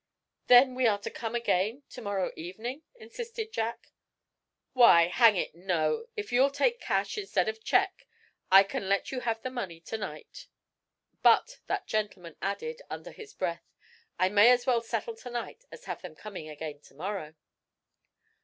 "Then we are to come again to morrow evening?" insisted Jack. "Why, hang it, no. If you'll take cash, instead of check, I can let you have the money to night." But that gentleman added, under his breath: "I may as well settle to night as have them coming again to morrow."